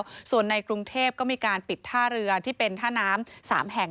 ส่วนในกรุงเทพก็มีการปิดท่าเรือที่เป็นท่าน้ำ๓แห่ง